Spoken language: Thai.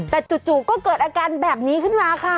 แต่จู่ก็เกิดอาการแบบนี้ขึ้นมาค่ะ